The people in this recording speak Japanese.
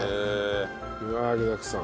うわ具だくさん。